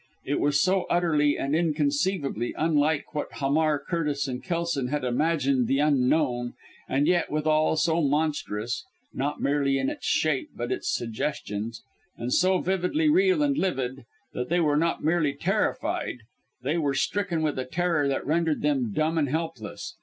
It was so utterly and inconceivably unlike what Hamar, Curtis and Kelson had imagined the Unknown and yet, withal, so monstrous (not merely in its shape but in its suggestions), and so vividly real and livid, that they were not merely terrified they were stricken with a terror that rendered them dumb and helpless.